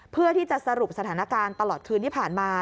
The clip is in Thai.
เพื่อที่จะสรุปสถานการณ์ตลอดคืนที่ผ่านมา